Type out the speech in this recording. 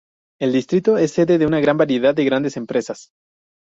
El distrito es sede de una gran variedad de grandes empresas.